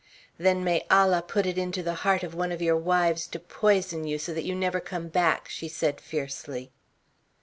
"Then may Allah put it into the heart of one of your wives to poison you so that you never come back," she said fiercely.